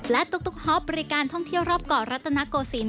และตุ๊กฮอปบริการท่องเที่ยวรอบเกาะรัตนโกศิลป